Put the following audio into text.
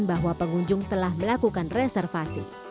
dan memastikan bahwa pengunjung telah melakukan reservasi